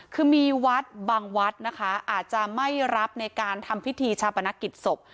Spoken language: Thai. คือมีวัดบางวัดนะคะอาจจะไม่รับในการทำพิธีชาปนกิจศพ